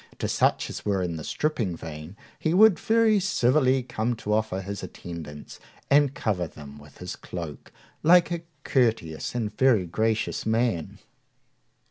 To such as were in the stripping vein he would very civilly come to offer his attendance, and cover them with his cloak, like a courteous and very gracious man.